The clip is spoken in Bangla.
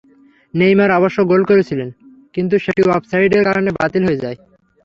নেইমার অবশ্য গোল করেছিলেন, কিন্তু সেটি অফসাইডের কারণে বাতিল হয়ে যায়।